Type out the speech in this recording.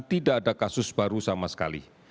tidak ada kasus baru sama sekali